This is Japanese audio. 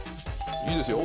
いいですよ。